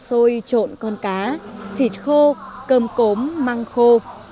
xôi trộn con cá thịt khô cơm cốm măng khô